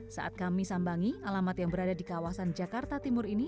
saat kami sambangi alamat yang berada di kawasan jakarta timur ini